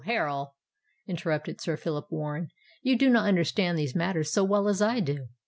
Harral," interrupted Sir Phillip Warren: "you do not understand these matters so well as I do.